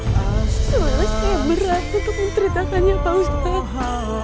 suasanya berat untuk menceritakannya pak ustadz